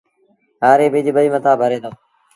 هآريٚ ٻج ٻئيٚ مٿآ ڀري دو